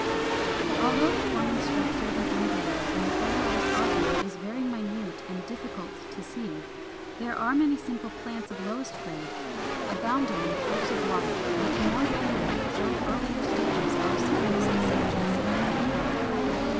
] 400. Although the forming structure of an embryo in the fertilized ovule is very minute and difficult to see, there are many simple plants of lowest grade, abounding in pools of water, which more readily show the earlier stages or simplest states of plant growth.